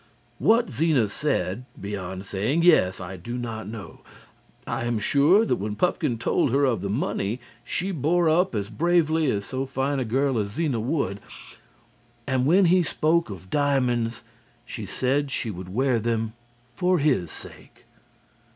What Zena said beyond saying yes I do not know. I am sure that when Pupkin told her of the money, she bore up as bravely as so fine a girl as Zena would, and when he spoke of diamonds she said she would wear them for his sake.